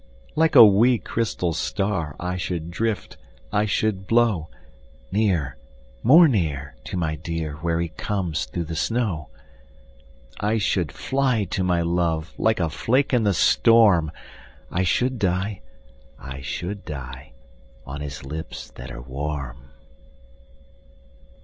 Like a wee, crystal star I should drift, I should blow Near, more near, To my dear Where he comes through the snow. I should fly to my love Like a flake in the storm, I should die, I should die, On his lips that are warm.